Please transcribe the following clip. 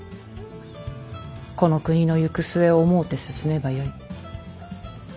この国の行く末を思うて進めばよい。